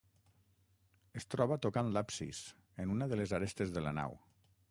Es troba tocant l'absis, en una de les arestes de la nau.